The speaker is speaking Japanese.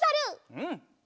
うん。